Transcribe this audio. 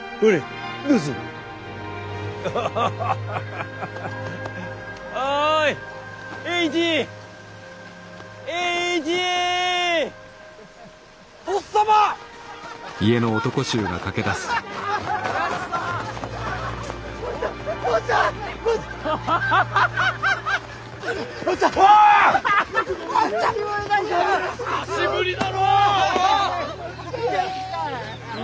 久しぶりだのう！